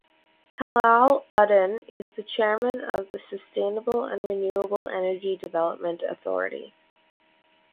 Helal Uddin is the chairman of the Sustainable and Renewable Energy Development Authority.